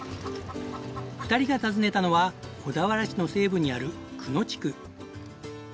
２人が訪ねたのは小田原市の西部にある久野地区。